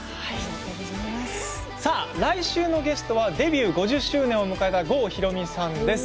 来週のゲストはデビュー５０周年を迎えた郷ひろみさんです。